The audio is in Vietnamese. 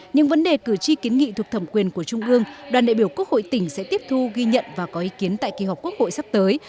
những vấn đề cử tri kiến nghị thuộc thẩm quyền của trung ương đoàn đại biểu quốc hội tỉnh sẽ tiếp thu ghi nhận và có ý kiến tại kỳ họp quốc hội sắp tới